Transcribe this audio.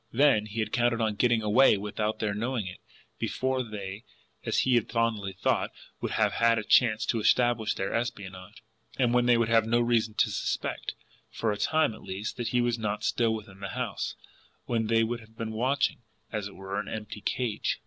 Then, he had counted on GETTING AWAY without their knowing it, before they, as he had fondly thought, would have had a chance to establish their espionage, and when they would have had no reason to suspect, for a time at least, that he was not still within the house, when they would have been watching, as it were, an empty cage.